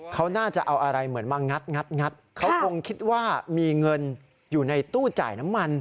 เขาน่าจะเอาอะไรเหมือนมางัดเขาคงคิดว่ามีเงินอยู่ในตู้จ่ายน้ำมัน